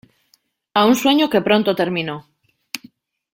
A un sueño que pronto terminó.